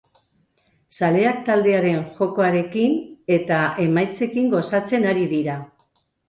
Zaleak taldearen jokoarekin eta emaitzekin gozatzen ari dira.